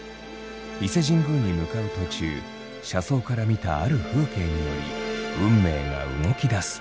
伊勢神宮に向かう途中車窓から見たある風景により運命が動き出す。